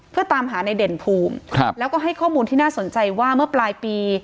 เพื่อตามหาในเด่นภูมิแล้วก็ให้ข้อมูลที่น่าสนใจว่าเมื่อปลายปี